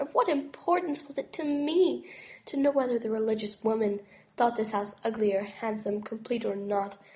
Of what importance was it to me to know whether the religious woman thought this house ugly or handsome, com plete or not?